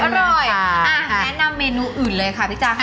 แนะนำเมนูอื่นเลยค่ะพี่จ้าค่ะ